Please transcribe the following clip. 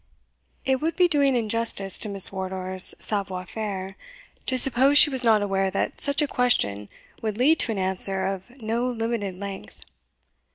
It would be doing injustice to Miss Wardour's savoir faire, to suppose she was not aware that such a question would lead to an answer of no limited length.